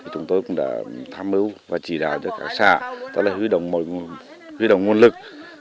chúng tôi cũng đã tham mưu và chỉ đào cho các xã tạo ra huy động nguồn lực